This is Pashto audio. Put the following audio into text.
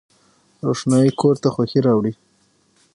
روښنايي کور ته خوښي راوړي